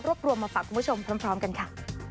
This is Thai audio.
รวบรวมมาฝากคุณผู้ชมพร้อมพร้อมกันค่ะ